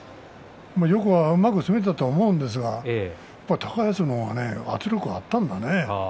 うまく攻めたと思うんですが高安の方が圧力があったんだね。